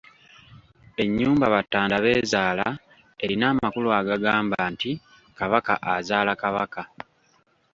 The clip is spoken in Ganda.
Ennyumba Batandabeezaala erina amakulu agagamba nti Kabaka azaala Kabaka.